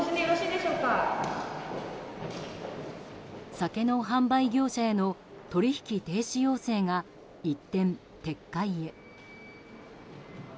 酒の販売業者への取引停止要請が一転、撤回へ。